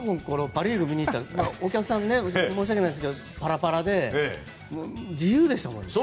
パ・リーグ見に行ったらお客さん申し訳ないですけどパラパラで自由でしたもん。